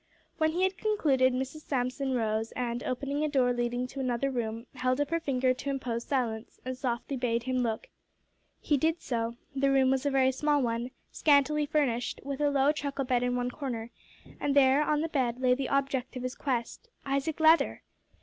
When he had concluded, Mrs Samson rose, and, opening a door leading to another room, held up her finger to impose silence, and softly bade him look in. He did so. The room was a very small one, scantily furnished, with a low truckle bed in one corner, and there, on the bed, lay the object of his quest Isaac Leather!